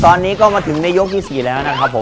ตอนนี้ก็มาถึงในยกที่๔แล้วนะครับผม